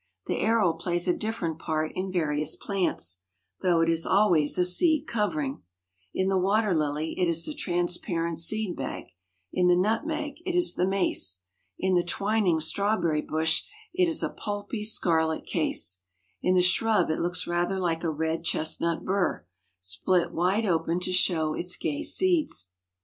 The aril plays a different part in various plants, though it is always a seed covering; in the water lily it is the transparent seed bag, in the nutmeg it is the mace, in the twining strawberry bush it is a pulpy scarlet case; in the shrub it looks rather like a red chestnut burr, split wide open to show its gay seeds.